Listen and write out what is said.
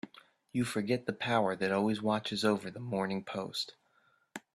You forget the power that always watches over the Morning Post.